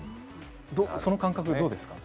その感覚はどうですか？